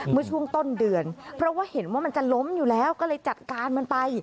เมื่อช่วงต้นเดือนเพราะว่าเห็นว่ามันจะล้มอยู่แล้วก็เลยจัดการมันไป